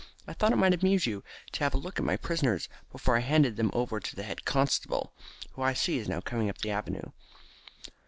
I thought it might amuse you to have a look at my prisoners before I handed them over to the head constable, who I see is now coming up the avenue."